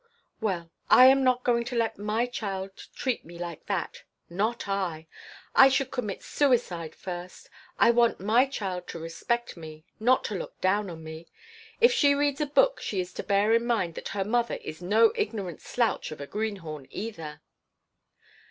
Well, I am not going to let my child treat me like that. Not I. I should commit suicide first. I want my child to respect me, not to look down on me. If she reads a book she is to bear in mind that her mother is no ignorant slouch of a greenhorn, either."